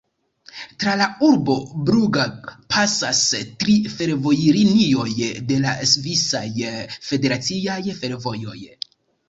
Tra la urbo Brugg pasas tri fervojlinioj de la Svisaj Federaciaj Fervojoj.